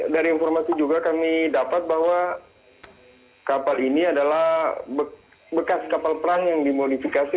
dari informasi juga kami dapat bahwa kapal ini adalah bekas kapal perang yang dimodifikasi